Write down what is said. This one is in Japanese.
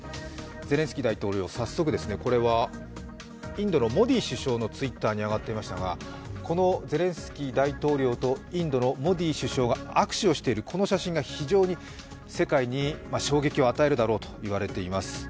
ゼレンスキー大統領、早速これはインドのモディ首相のＴｗｉｔｔｅｒに上がっていましたがこのゼレンスキー大統領とインドのモディ首相が握手をしている、この写真が非常に世界に衝撃を与えるだろうといわれています。